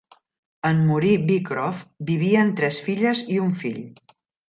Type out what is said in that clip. En morir Beecroft, vivien tres filles i un fill.